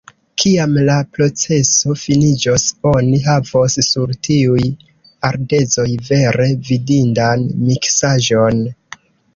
Kiam la proceso finiĝos, oni havos sur tiuj ardezoj vere vidindan miksaĵon!